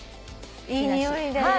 いい匂いだね。